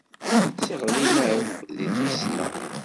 Sseɣlin-ak deg tfesna.